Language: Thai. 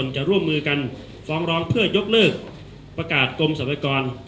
จะร่วมมือกันฟ้องร้องเพื่อยกเลิกประกาศกรมสรรพากร